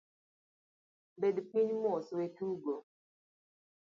Bed piny mos, wetugo.